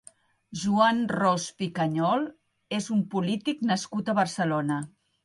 Juan Ros Picañol és un polític nascut a Barcelona.